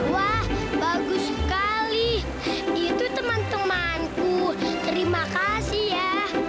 wah bagus sekali itu teman temanku terima kasih ya